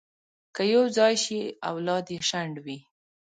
که یو ځای شي، اولاد یې شنډ وي.